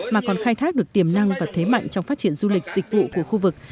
mà còn khai thác được tiềm năng và thế mạnh trong phát triển du lịch dịch vụ của khu vực